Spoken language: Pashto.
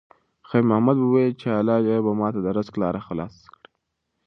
خیر محمد وویل چې الله به ماته د رزق لاره خلاصه کړي.